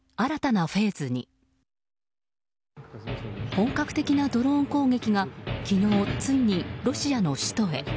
本格的なドローン攻撃が昨日、ついにロシアの首都へ。